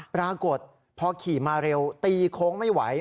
ปรากฏพอขี่มาเร็วตีโค้งไม่ไหว